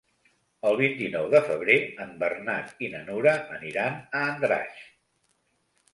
El vint-i-nou de febrer en Bernat i na Nura aniran a Andratx.